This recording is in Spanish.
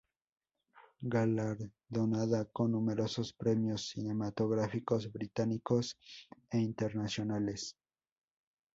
Galardonada con numerosos premios cinematográficos británicos e internacionales.